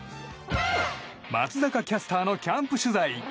松坂キャスターのキャンプ取材